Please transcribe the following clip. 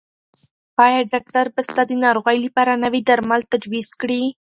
ایا ډاکټر به ستا د ناروغۍ لپاره نوي درمل تجویز کړي؟